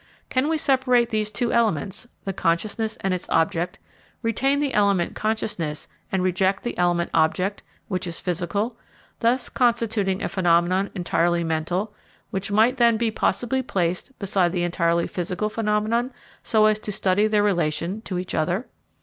Can we separate these two elements, the consciousness and its object, retain the element consciousness and reject the element object, which is physical, thus constituting a phenomenon entirely mental, which might then be possibly placed beside the entirely physical phenomenon, so as to study their relation to each other?